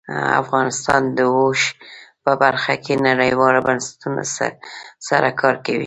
افغانستان د اوښ په برخه کې نړیوالو بنسټونو سره کار کوي.